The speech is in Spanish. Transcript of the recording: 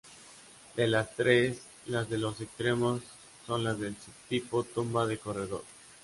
De las tres, las de los extremos son las del subtipo tumba de corredor.